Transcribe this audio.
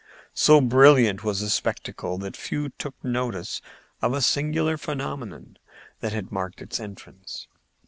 So brilliant was the spectacle that few took notice of a singular phenomenon that had marked its entrance.